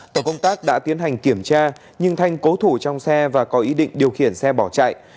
tổ công tác đã tiến hành kiểm tra nhưng thanh cố thủ trong xe và có ý định điều khiển xe bỏ chạy